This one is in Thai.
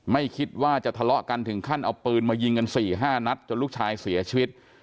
ไม่คิดว่าจะทะเลาะกันถึงขั้นเอาปืนมายิงกัน๔๕นัดจนลูกชายเสียชีวิต